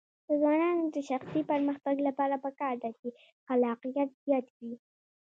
د ځوانانو د شخصي پرمختګ لپاره پکار ده چې خلاقیت زیات کړي.